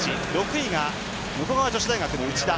６位が武庫川女子大学の内田。